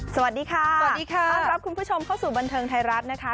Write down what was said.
สวัสดีค่ะสวัสดีค่ะต้อนรับคุณผู้ชมเข้าสู่บันเทิงไทยรัฐนะคะ